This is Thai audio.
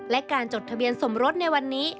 และการจดทะเบียนสมรสในวันนี้